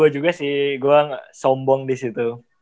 juga sih gue sombong disitu